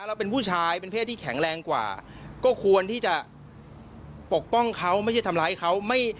เราเป็นผู้ชายเป็นเพศที่แข็งแรงกว่าก็ควรที่จะปกป้องเขาไม่ใช่ทำร้ายเขา